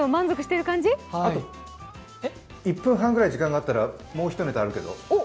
１分半ぐらい時間があったらもう１ネタあるけど。